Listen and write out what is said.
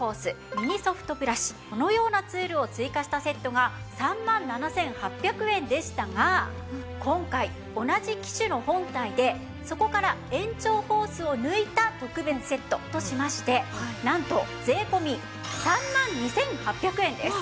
このようなツールを追加したセットが３万７８００円でしたが今回同じ機種の本体でそこから延長ホースを抜いた特別セットとしましてなんと税込３万２８００円です。